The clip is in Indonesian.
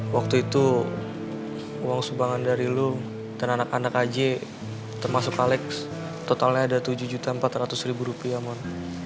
waktu itu uang sumbangan dari lu dan anak anak aj termasuk alex totalnya ada tujuh empat ratus rupiah